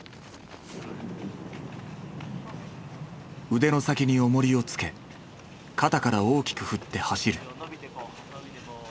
腕の先におもりをつけ肩から大きく振って走る。